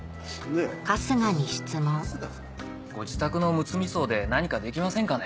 春日に質問ご自宅のむつみ荘で何かできませんかね？